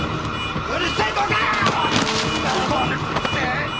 うるせえどけ！